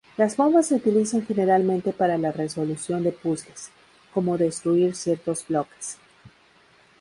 Las bombas se utilizan generalmente para la resolución de puzles, como destruir ciertos bloques.